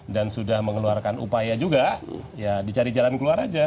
dan sudah mengeluarkan upaya juga ya dicari jalan keluar saja